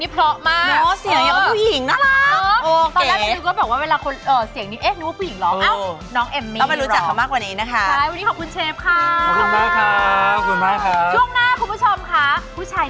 เวลาเขาร้องเพลงนี่เพราะมาก